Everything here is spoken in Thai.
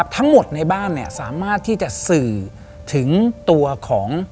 ทั้งหมดในบ้านสามารถที่จะสื่อถึงตัวของ